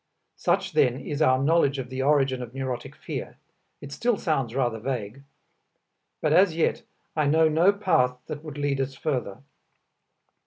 Such then is our knowledge of the origin of neurotic fear; it still sounds rather vague. But as yet I know no path that would lead us further.